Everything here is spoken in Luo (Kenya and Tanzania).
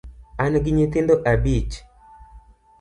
An gi nyithindo abich